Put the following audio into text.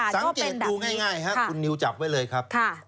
สังเกตดูง่ายครับคุณนิวจับไว้เลยครับ